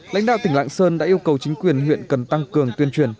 lãnh đạo tỉnh lạng sơn đã yêu cầu chính quyền huyện cần tăng cường tuyên truyền